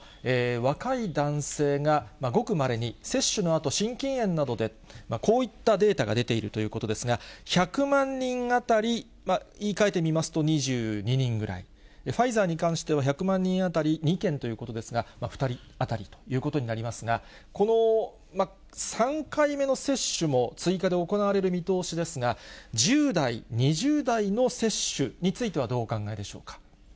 若い男性がごくまれに接種のあと、心筋炎などでこういったデータが出ているということですが、１００万人当たり言い換えてみますと２２人ぐらい、ファイザーに関しては１００万人当たり２件ということですが、２人当たりということになりますが、この３回目の接種も追加で行われる見通しですが、１０代、２０代の接種についてはどうお考えでしょうか。